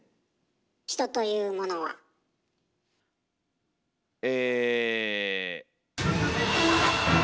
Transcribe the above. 人というものは。え。